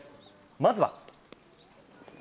まずは。